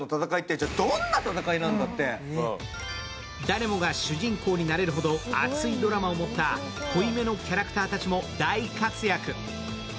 誰もが主人公になれるほど熱いドラマを持った濃いめのキャラクターたちも大活躍。